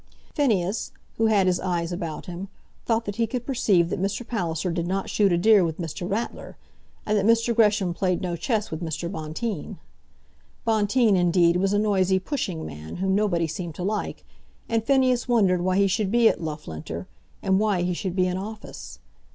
Phineas, who had his eyes about him, thought that he could perceive that Mr. Palliser did not shoot a deer with Mr. Ratler, and that Mr. Gresham played no chess with Mr. Bonteen. Bonteen, indeed, was a noisy pushing man whom nobody seemed to like, and Phineas wondered why he should be at Loughlinter, and why he should be in office.